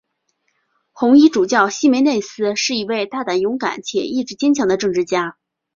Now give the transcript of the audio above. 红衣主教希梅内斯是一位大胆勇敢且意志坚强的政治家。